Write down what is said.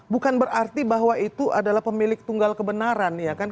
bukan berarti bahwa itu adalah pemilik tunggal kebenaran ya kan